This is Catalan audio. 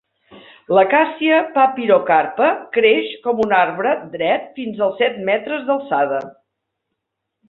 L'acacia papyrocarpa creix com un arbre dret fins als set metres d'alçada.